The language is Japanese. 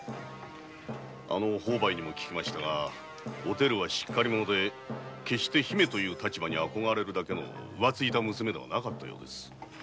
あの朋輩にも聞きましたがお照はしっかり者で姫という立場に憧れるだけのうわついた娘ではないようです。